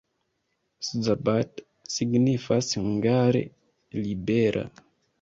Szabad signifas hungare: libera.